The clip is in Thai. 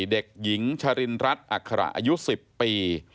เด็กหญิงชรินรัฐอัคระอายุ๑๐ปี